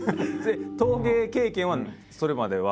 陶芸経験はそれまでは？